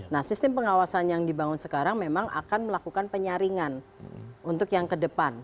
nah sistem pengawasan yang dibangun sekarang memang akan melakukan penyaringan untuk yang ke depan